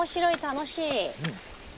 楽しい。